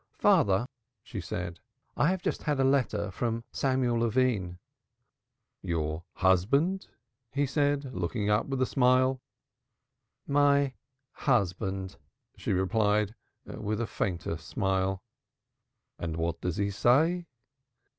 "Father," she said, "I have just had a letter from Samuel Levine." "Your husband?" he said, looking up with a smile. "My husband," she replied, with a fainter smile. "And what does he say?"